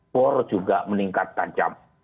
por juga meningkat kacam